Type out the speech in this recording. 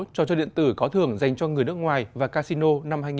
trò chơi điện tử có thưởng dành cho người nước ngoài và casino năm hai nghìn hai mươi bốn